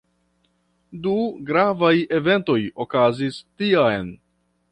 Du gravaj eventoj okazis tiam.